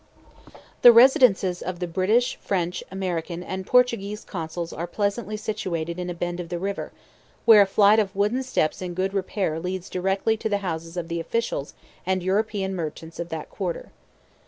The residences of the British, French, American, and Portuguese Consuls are pleasantly situated in a bend of the river, where a flight of wooden steps in good repair leads directly to the houses of the officials and European merchants of that quarter.